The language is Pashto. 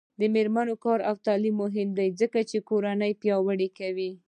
د میرمنو کار او تعلیم مهم دی ځکه چې کورنۍ پیاوړتیا کوي.